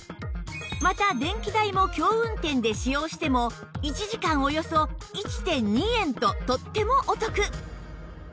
また電気代も強運転で使用しても１時間およそ １．２ 円ととってもお得